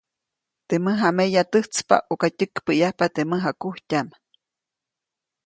Teʼ mäjameya täjtspa ʼuka tyäkpäʼyajpa teʼ mäjakujtyaʼm.